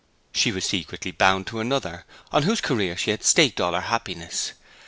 She was secretly bound to another, on whose career she had staked all her happiness.